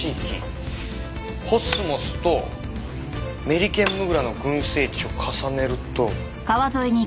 コスモスとメリケンムグラの群生地を重ねると。